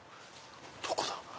どこだ？